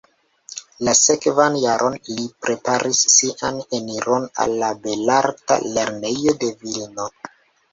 La sekvan jaron li preparis sian eniron al la Belarta Lernejo de Vilno.